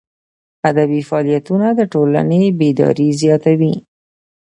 ادبي فعالیتونه د ټولني بیداري زیاتوي.